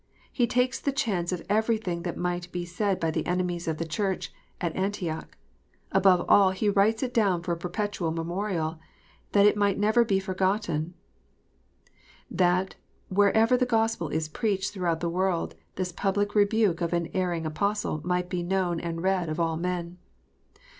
He takes the chance of everything that might be said by the enemies of the Church at Antioch. Above all, he writes it down for a perpetual memorial, that it never might be forgotten, that, wherever the Gospel is preached throughout the world, this public rebuke of an erring Apostle might be known and read of all men.